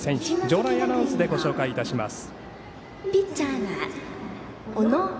場内アナウンスでご紹介します。